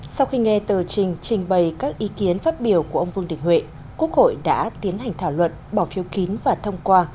sau khi nghe tờ trình trình bày các ý kiến phát biểu của ông vương đình huệ quốc hội đã tiến hành thảo luận bỏ phiếu kín và thông qua